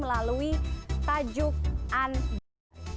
melalui tajuk anda